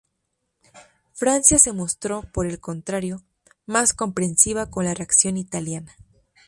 Francia se mostró, por el contrario, más comprensiva con la reacción italiana.